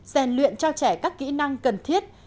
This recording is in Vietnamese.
rèn luyện cho trẻ các kỹ năng cần thiết